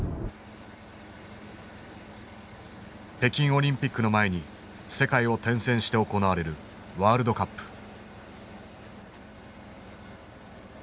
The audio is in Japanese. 北京オリンピックの前に世界を転戦して行われるワールドカップ。